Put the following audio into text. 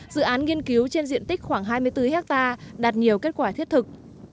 dự án nghiên cứu trên diện tích khoảng hai mươi bốn hectare đạt nhiều kết quả thiết thực